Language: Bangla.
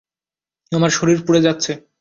আমার শরীর পুড়ে যাচ্ছে।